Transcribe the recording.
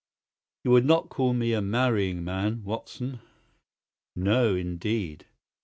"You would not call me a marrying man, Watson?" "No, indeed!"